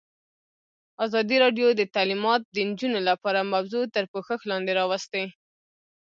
ازادي راډیو د تعلیمات د نجونو لپاره موضوع تر پوښښ لاندې راوستې.